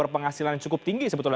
penghasilan yang cukup tinggi sebetulnya